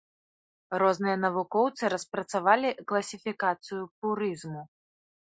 Розныя навукоўцы распрацавалі класіфікацыю пурызму.